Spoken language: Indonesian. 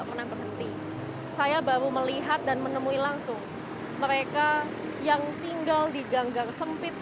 pernah berhenti saya baru melihat dan menemui langsung mereka yang tinggal di ganggang sempit